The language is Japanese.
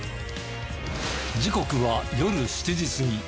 時刻は夜７時過ぎ。